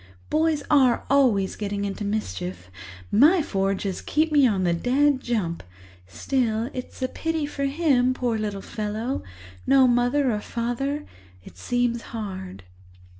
Boys are always getting into mischief—my four just keep me on the dead jump. Still, it's a pity for him, poor little fellow! No mother or father—it seems hard."